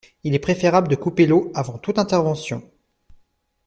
Il est préférable de couper l'eau avant toute intervention.